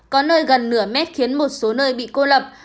có nơi gần nửa mét khiến một số nơi bị cô lập